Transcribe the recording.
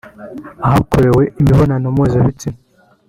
Ahakorewe imibonano mpuzabitsina